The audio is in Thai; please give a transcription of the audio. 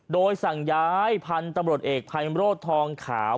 โดยสั่งย้ายพรรณตำรวจเอกไพล่มโรธท้องข่าว